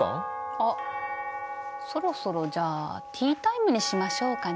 あそろそろじゃあティータイムにしましょうかね。